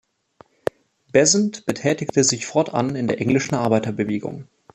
Besant betätigte sich fortan in der englischen Arbeiterbewegung.